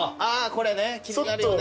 これね気になるよね。